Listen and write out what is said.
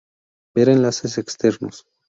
Ver enlaces externos.